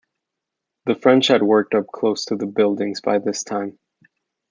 The French had worked up close to the buildings by this time.